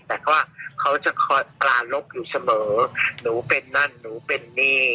แต่ก็เขาจะคอยตราลบอยู่เสมอหนูเป็นนั่นหนูเป็นนี่